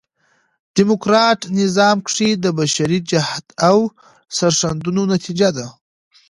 ډيموکراټ نظام کښي د بشري جهد او سرښندنو نتیجه ده.